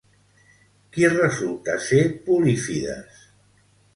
Qui resulta ser Polifides?